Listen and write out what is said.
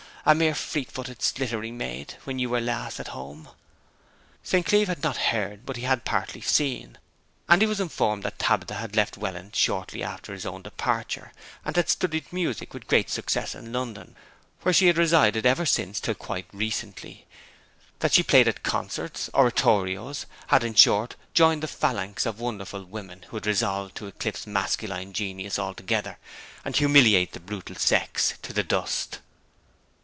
a mere fleet footed, slittering maid when you were last home.' St. Cleeve had not heard, but he had partly seen, and he was informed that Tabitha had left Welland shortly after his own departure, and had studied music with great success in London, where she had resided ever since till quite recently; that she played at concerts, oratorios had, in short, joined the phalanx of Wonderful Women who had resolved to eclipse masculine genius altogether, and humiliate the brutal sex to the dust.